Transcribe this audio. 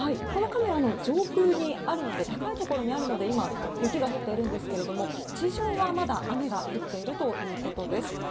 このカメラの上空にあるので高いところにあるので今、雪が降っているんですが地上はまだ雨が降っているということです。